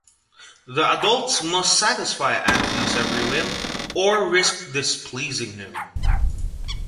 The adults must satisfy Anthony's every whim, or risk displeasing him.